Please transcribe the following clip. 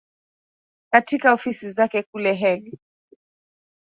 katika ofisi zake kule hague